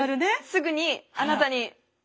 すぐにあなたに。